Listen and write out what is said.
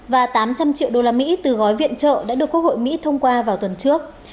và tám trăm linh triệu đô la mỹ từ gói viện trợ đã được quốc hội mỹ thông qua vào tuần trước